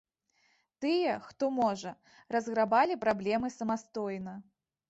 Тыя, хто можа, разграбалі праблемы самастойна.